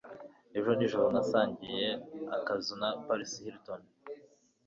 Ejo nijoro, nasangiye akazu na Paris Hilton.